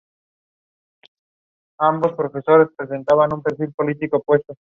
Crece muy bien en exposiciones soleadas y requiere agua con bajo contenido mineral.